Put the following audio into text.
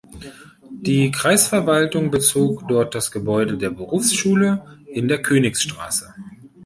Die Kreisverwaltung bezog dort das Gebäude der Berufsschule in der Königstraße.